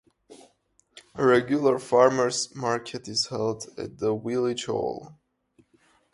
A regular farmers' market is held at the village hall.